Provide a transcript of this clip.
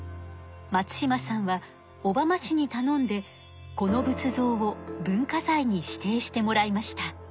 松島さんは小浜市にたのんでこの仏像を文化財に指定してもらいました。